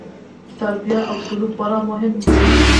تربیه او سلوک خورا مهم دي.